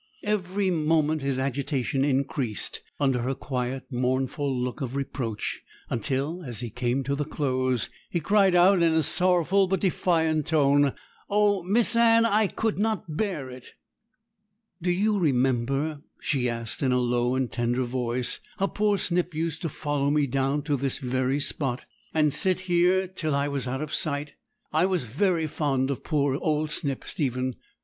Every moment his agitation increased under her quiet, mournful look of reproach, until, as he came to the close, he cried out in a sorrowful but defiant tone, 'Oh, Miss Anne, I could not bear it!' 'Do you remember,' she asked, in a low and tender voice, 'how poor Snip used to follow me down to this very spot, and sit here till I was out of sight? I was very fond of poor old Snip, Stephen!'